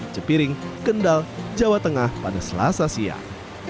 cepiring kendal jawa tengah pada selasa siang